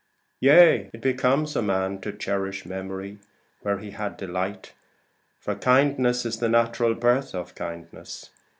Yea, it becomes a man To cherish memory, where he had delight. For kindness is the natural birth of kindness.